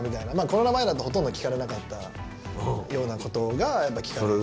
コロナ前だとほとんど聞かれなかったようなことが聞かれる。